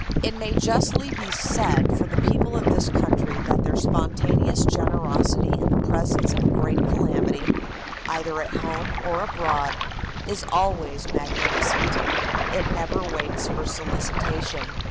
It may justly be said for the people of this country that their spontaneous generosity in the presence of a great calamity, either at home or abroad, is always magnificent. It never waits for solicitation.